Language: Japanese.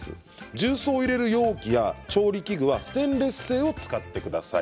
重曹を入れる容器や調理器具はステンレス製を使ってください。